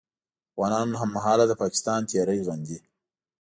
افغانان هممهاله د پاکستان تېری غندي